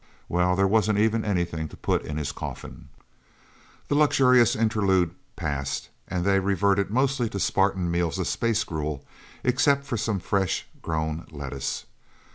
Well, there wasn't even anything to put in his coffin..." The luxurious interlude passed, and they reverted mostly to Spartan meals of space gruel, except for some fresh grown lettuce.